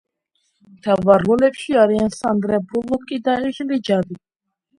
მთავარ როლებში არიან სანდრა ბულოკი და ეშლი ჯადი.